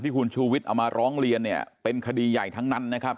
คุณชูวิทย์เอามาร้องเรียนเนี่ยเป็นคดีใหญ่ทั้งนั้นนะครับ